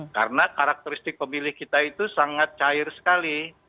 karena karakteristik pemilih kita itu sangat cair sekali